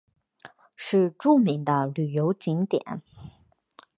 是著名的旅游景点。